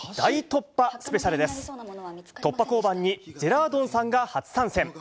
突破交番にジェラードンさんが初参戦。